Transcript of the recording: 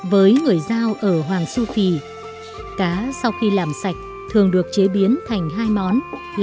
với người giao ở hoàng su phi cá sau khi làm sạch thường được chế biến thành hai món